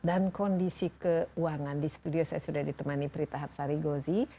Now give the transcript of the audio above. dan kondisi keuangan di studio saya sudah ditemani prita habsari gozi